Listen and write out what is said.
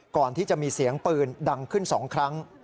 ก่อนที่จะมีเสียงปืนดังขึ้น๒ครั้ง